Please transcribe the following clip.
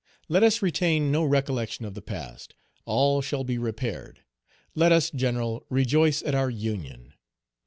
Let us retain no recollection of the past; all shall be repaired. Let us, Page 213 General, rejoice at our union.